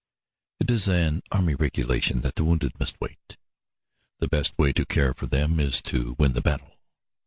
It is an army regulation that the wounded must wait; the best way to care for them is to win the battle.